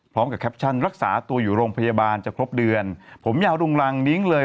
แคปชั่นรักษาตัวอยู่โรงพยาบาลจะครบเดือนผมยาวรุงรังนิ้งเลย